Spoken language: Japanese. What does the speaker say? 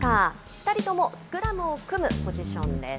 ２人ともスクラムを組むポジションです。